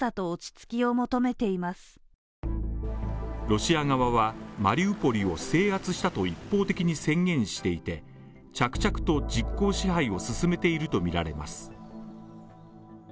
ロシア側はマリウポリを制圧したと一方的に宣言していて、着々と実効支配を進めているとみられます。